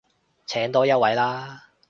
請多一位啦